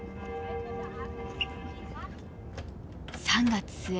３月末